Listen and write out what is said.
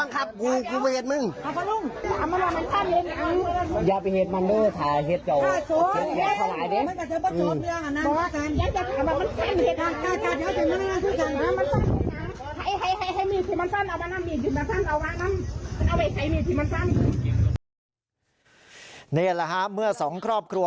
นแบบนี้แล้วค่ะเมื่อสองครอบครัว